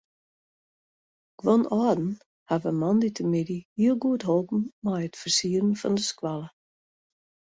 Guon âlden hawwe moandeitemiddei heel goed holpen mei it fersieren fan de skoalle.